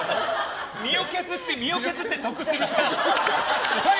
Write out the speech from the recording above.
身を削って、身を削って得するって。